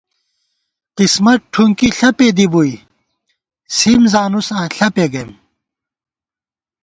قسمت ٹھُنکی ݪپے دِی بُوئی سِم زانُساں ݪپے گَئیم